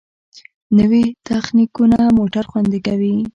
نوې تخنیکونه موټر خوندي کوي.